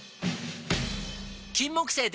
金木犀でた！